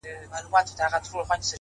په منطق دي نه پوهېږي دا غویی دی -